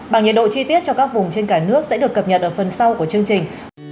bằng nhiệt độ chi tiết cho các vùng trên cả nước sẽ được cập nhật ở phần sau của chương trình